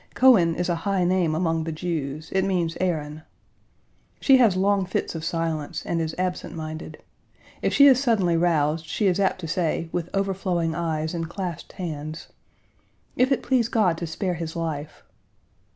Cohen is a high name among the Jews: it means Aaron. She has long fits of silence, and is absent minded. If she is suddenly roused, she is apt to say, with overflowing eyes and clasped hands, "If it please God to spare his life."